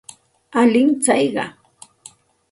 Alin tsayqa.